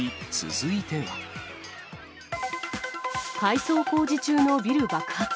改装工事中のビル爆発。